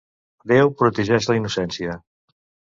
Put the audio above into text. Déu protegeix la innocència.